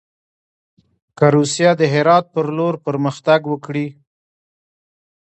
که روسیه د هرات پر لور پرمختګ وکړي.